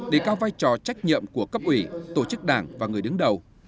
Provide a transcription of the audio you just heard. để cao vai trò trách nhiệm của cấp ủy tổ chức đảng và người đứng đầu